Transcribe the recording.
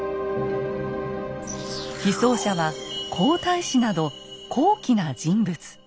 被葬者は皇太子など高貴な人物。